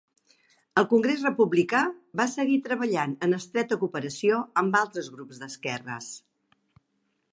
El Congrés Republicà va seguir treballant en estreta cooperació amb altres grups d"esquerres.